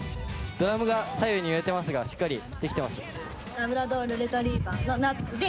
ドラムが左右に揺れてますがしっかりできてます。